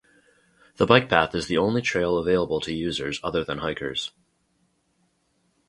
The Bike Path is the only trail available to users other than hikers.